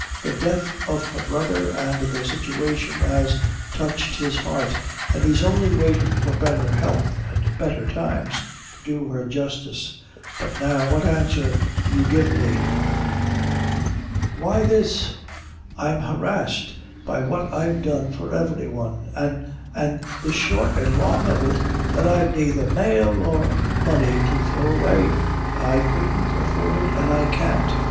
The death of her brother and their situation has touched his heart, an' he's only waitin' for better health and better times to do her justice; but now what answer do you give me?" "Why, this: I'm harrished by what I've done for every one; an' an' the short and the long of it is, that I've naither male nor money to throw away. I couldn't afford it and I can't.